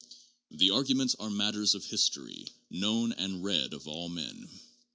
The arguments are matters of history, known and read of all men.